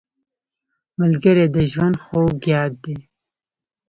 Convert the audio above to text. ملګری د ژوند خوږ یاد دی